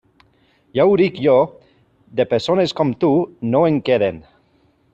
Ja ho dic jo; de persones com tu, no en queden.